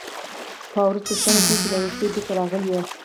باروچ پوښتنه کوي چې له روسیې بېرته راغلې